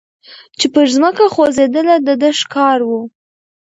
چي پر مځکه خوځېدله د ده ښکار وو